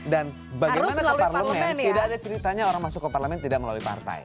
dan bagaimana ke parlemen tidak ada ceritanya orang masuk ke parlemen tidak melalui partai